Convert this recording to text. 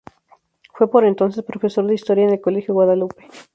Fue por entonces profesor de Historia en el Colegio Guadalupe.